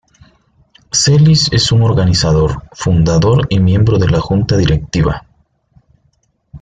Celis es un organizador, fundador y miembro de la junta directiva.